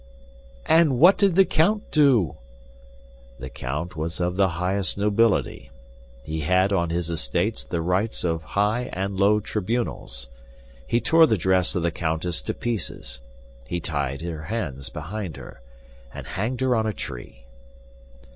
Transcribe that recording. "And what did the count do?" "The count was of the highest nobility. He had on his estates the rights of high and low tribunals. He tore the dress of the countess to pieces; he tied her hands behind her, and hanged her on a tree."